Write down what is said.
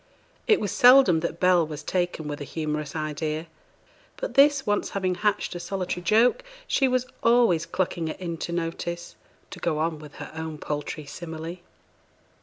It was seldom that Bell was taken with a humorous idea; but this once having hatched a solitary joke, she was always clucking it into notice to go on with her own poultry simile.